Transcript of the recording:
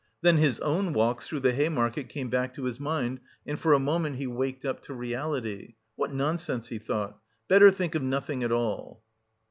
Then his own walks through the Hay Market came back to his mind, and for a moment he waked up to reality. "What nonsense!" he thought, "better think of nothing at all!"